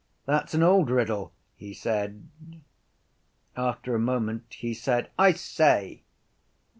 —That’s an old riddle, he said. After a moment he said: —I say!